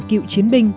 cựu chiến binh